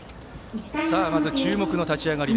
まず注目の立ち上がり。